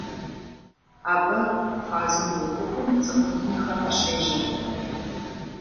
Абы Абхъазым и утыкум цӏыху минхэр къыщежьэрт.